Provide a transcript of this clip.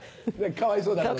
かわいそうだから。